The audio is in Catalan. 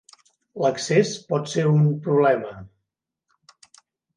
L'accés pot ser un problema.